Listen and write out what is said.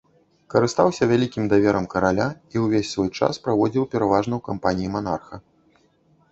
Карыстаўся вялікім даверам караля і ўвесь свой час праводзіў пераважна ў кампаніі манарха.